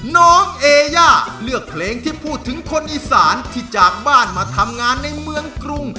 น้องเอย่าเลือกเพลงที่พูดถึงคนอีสานที่จากบ้านมาทำงานในเมืองกรุง